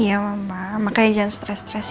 iya mama makanya jangan stress stress ya